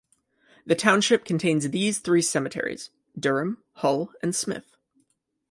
The township contains these three cemeteries: Durham, Hull and Smith.